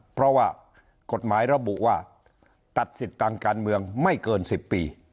เพราะว่ากฎหมายระบุว่าตัดสิทธิ์ทางการเมืองไม่เกิน๑๐ปี